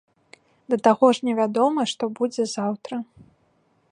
Да таго ж невядома, што будзе заўтра.